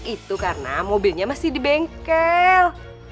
itu karena mobilnya masih di bengkel